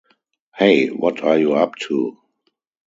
Hey, what are you up to?